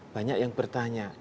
banyak yang bertanya